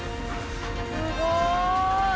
すごい！